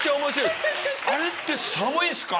あれって寒いんすか？